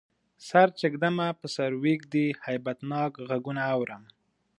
سر چی ږدمه په سر ویږدی، هیبتناک غږونه اورم